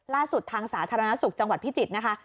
ล่าสุดทางสาธารณสุขจังหวัดพิจิตรนะคะ